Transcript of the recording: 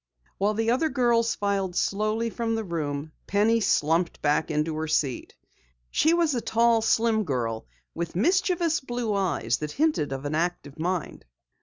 While the other pupils filed slowly from the room, Penny slumped back into her seat. She was a tall, slim girl with mischievous blue eyes which hinted of an active mind.